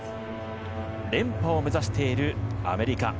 連覇を目指しているアメリカ。